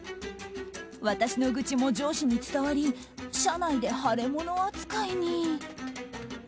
私の愚痴も上司に伝わり社内で腫れ物扱いに。